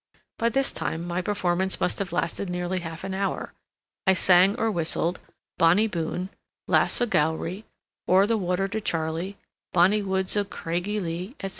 By this time my performance must have lasted nearly half an hour. I sang or whistled "Bonnie Boon," "Lass o' Gowrie," "O'er the Water to Charlie," "Bonnie Woods o' Cragie Lee," etc.